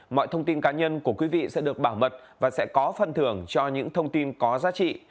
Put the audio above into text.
mọi thông tin cá nhân của quý vị sẽ được bảo mật và sẽ có phần thưởng cho những thông tin có giá trị